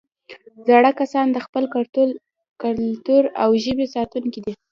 زاړه کسان د خپل کلتور او ژبې ساتونکي دي